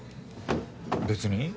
別に。